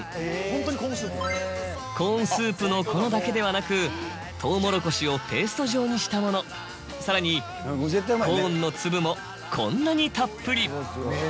コーンスープの粉だけではなくとうもろこしをペースト状にしたものさらにコーンの粒もこんなにたっぷり。